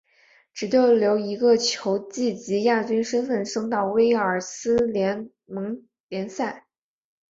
只逗留一个球季即以亚军身份升级到威尔斯联盟联赛。